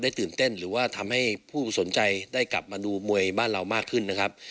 ตื่นเต้นหรือว่าทำให้ผู้สนใจได้กลับมาดูมวยบ้านเรามากขึ้นนะครับ